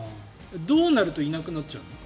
どうなるといなくなっちゃうの？